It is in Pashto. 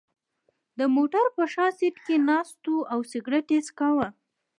د موټر په شا سېټ کې ناست و او سګرېټ یې څکاو.